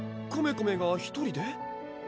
コメコメが１人で？